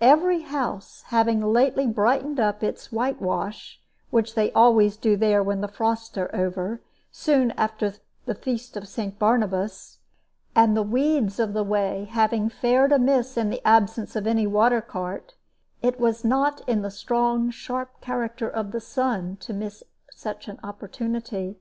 Every house having lately brightened up its whitewash which they always do there when the frosts are over, soon after the feast of St. Barnabas and the weeds of the way having fared amiss in the absence of any water cart, it was not in the strong, sharp character of the sun to miss such an opportunity.